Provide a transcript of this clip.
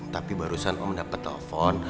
tapi barusan om dapet telepon